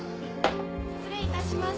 失礼いたします。